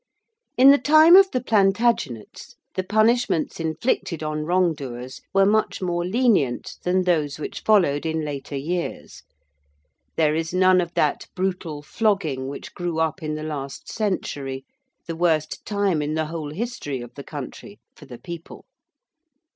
In the time of the Plantagenets the punishments inflicted on wrongdoers were much more lenient than those which followed in later years. There is none of that brutal flogging which grew up in the last century, the worst time in the whole history of the country, for the people.